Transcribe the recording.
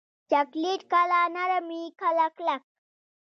چاکلېټ کله نرم وي، کله کلک.